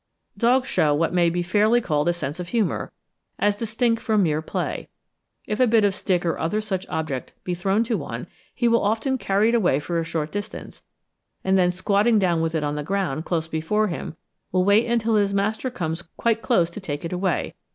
Dogs shew what may be fairly called a sense of humour, as distinct from mere play; if a bit of stick or other such object be thrown to one, he will often carry it away for a short distance; and then squatting down with it on the ground close before him, will wait until his master comes quite close to take it away.